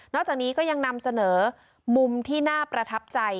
จากนี้ก็ยังนำเสนอมุมที่น่าประทับใจ